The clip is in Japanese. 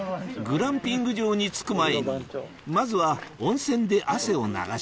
グランピング場に着く前にまずは温泉で汗を流します